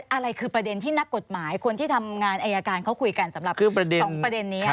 อะไรคือประเด็นที่นักกฎหมายคนที่ทำงานอายการเขาคุยกันสำหรับ๒ประเด็นนี้